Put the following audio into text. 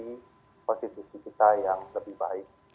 jadi positif kita yang lebih baik